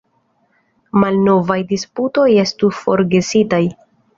Malnovaj disputoj estu forgesitaj.